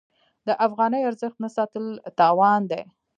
د افغانۍ ارزښت نه ساتل تاوان دی.